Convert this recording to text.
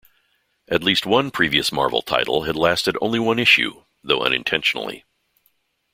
At least one previous Marvel title had lasted only one issue, though unintentionally.